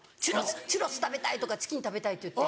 チュロス食べたいとかチキン食べたいって言って。